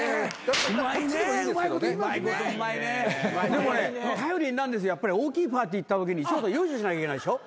でもね頼りになるんですよ大きいパーティー行ったときによいしょしなきゃいけないでしょ。